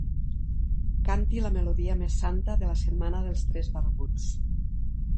Canti la melodia més santa de la setmana dels tres barbuts.